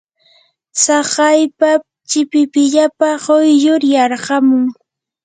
tsakaypa chipipillapa quyllur yarqamun.